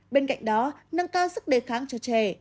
bên cạnh đó nâng cao sức đề kháng cho trẻ